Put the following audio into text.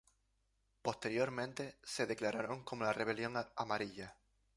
Posteriormente se declararon como La Rebelión Amarilla.